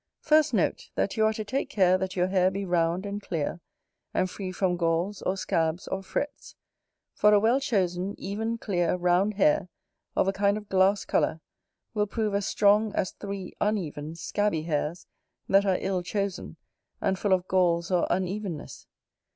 First note, that you are to take care that your hair be round and clear, and free from galls, or scabs, or frets: for a well chosen, even, clear, round hair, of a kind of glass colour, will prove as strong as three uneven scabby hairs that are ill chosen, and full of galls or unevenness.